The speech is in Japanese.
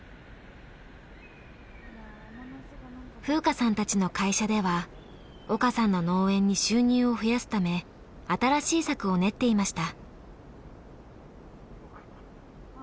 風花さんたちの会社では岡さんの農園に収入を増やすため新しい策を練っていました。